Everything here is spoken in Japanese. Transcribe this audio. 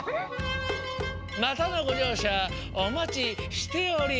またのごじょうしゃおまちしており